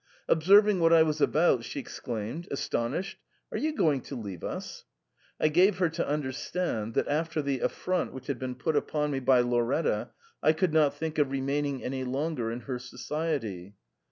Observing what I was about, she exclaimed, astonished, 'Are you going to leave us ?* I gave her to understand that after the affront which had been put upon me by Lauretta I could not think of remaining any longer in her society.